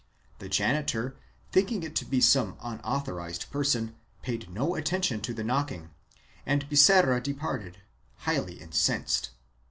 The janitor, thinking it to be some unauthorized person, paid no attention to the knocking and Biserra departed, highly incensed.